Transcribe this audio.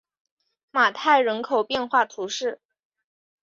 马泰人口变化图示